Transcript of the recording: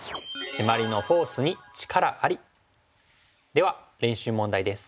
では練習問題です。